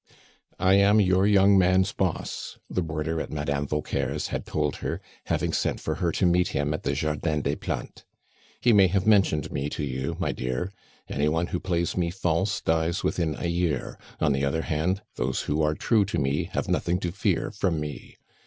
"I am your young man's boss," the boarder at Madame Vauquer's had told her, having sent for her to meet him at the Jardin des Plantes. "He may have mentioned me to you, my dear. Any one who plays me false dies within a year; on the other hand, those who are true to me have nothing to fear from me.